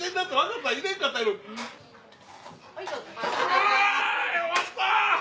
あ終わった！